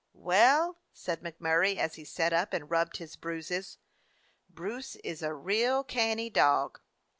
"Well," said MacMurray, as he sat up and rubbed his bruises, "Bruce is a real canny dog.